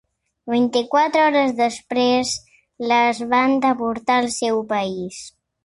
Vint-i-quatre hores després les van deportar al seu país.